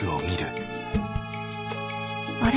あれ？